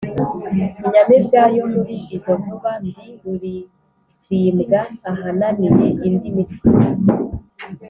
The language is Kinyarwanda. Inyamibwa yo muli izo nkuba, ndi rulirimbwa ahananiye indi mitwe